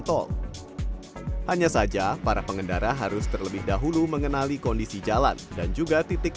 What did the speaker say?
tol hanya saja para pengendara harus terlebih dahulu mengenali kondisi jalan dan juga titik